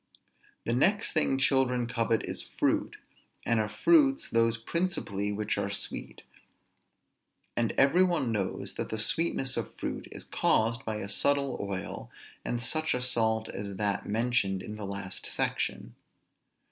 The next thing children covet is fruit, and of fruits those principally which are sweet; and every one knows that the sweetness of fruit is caused by a subtle oil, and such a salt as that mentioned in the last section.